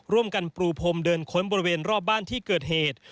รูปพรมเดินค้นบริเวณรอบบ้านที่เกิดเหตุ